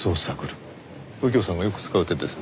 右京さんがよく使う手ですね。